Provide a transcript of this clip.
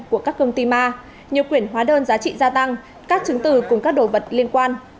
của các công ty ma nhiều quyển hóa đơn giá trị gia tăng các chứng từ cùng các đồ vật liên quan